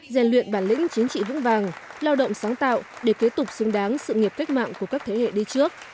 rèn luyện bản lĩnh chính trị vững vàng lao động sáng tạo để kế tục xứng đáng sự nghiệp cách mạng của các thế hệ đi trước